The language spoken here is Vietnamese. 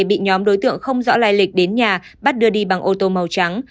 bị nhóm đối tượng không rõ lai lịch đến nhà bắt đưa đi bằng ô tô màu trắng